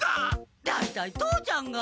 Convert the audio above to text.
大体父ちゃんが。